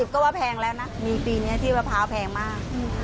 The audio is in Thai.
ก็ว่าแพงแล้วนะมีปีนี้ที่มะพร้าวแพงมาก